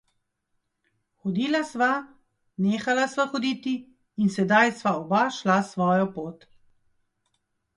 Hodila sva, nehala sva hoditi in sedaj sva oba šla svojo pot.